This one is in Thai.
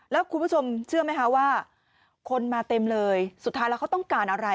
แล้วคุณผู้ชมเชื่อไหมคะว่าคนมาเต็มเลยสุดท้ายแล้วเขาต้องการอะไร